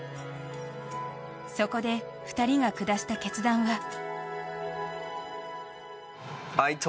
そこで２人が下した決断とは。